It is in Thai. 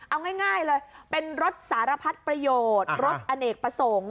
เอาง่ายเลยเป็นรถสารพัดประโยชน์รถอเนกประสงค์